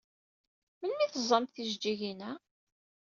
Melmi ay teẓẓamt tijeǧǧigin-a?